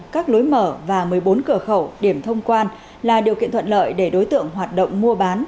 các lối mở và một mươi bốn cửa khẩu điểm thông quan là điều kiện thuận lợi để đối tượng hoạt động mua bán